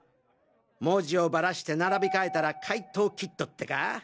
文字をバラして並び替えたら怪盗キッドってか？